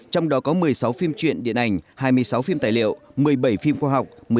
trong đó có một mươi sáu phim truyện điện ảnh hai mươi sáu phim tài liệu một mươi bảy phim khoa học